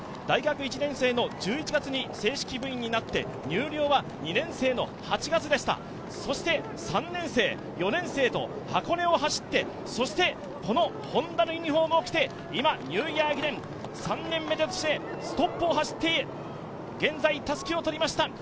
大学１年生の１１月に正式部員になって入寮は２年生の８月でした、３年生、４年生と箱根を走って、Ｈｏｎｄａのユニフォームを着てニューイヤー駅伝３年目でトップを走って、現在たすきを取りました。